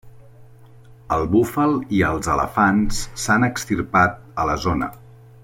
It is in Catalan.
El búfal i els elefants s'han extirpat a la zona.